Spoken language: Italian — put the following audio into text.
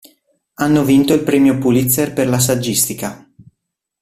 Hanno vinto il Premio Pulitzer per la saggistica.